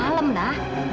udah malam nah